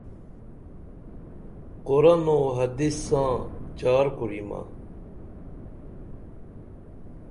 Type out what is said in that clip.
قرآن و حدیث ساں چار کوریمہ